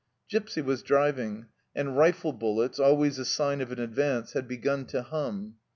Gipsy was driving, and rifle bullets, always a sign of an advance, had begun to hum.